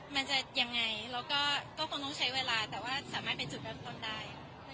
มันจะยังไงก็คงต้องใช้เวลาแต่ว่าสามารถไปชุดกำลังต้นได้